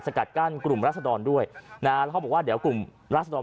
กัดกั้นกลุ่มรัศดรด้วยนะฮะแล้วเขาบอกว่าเดี๋ยวกลุ่มราศดร